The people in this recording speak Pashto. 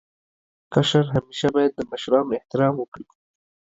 کشر همېشه باید د مشرانو احترام وکړي.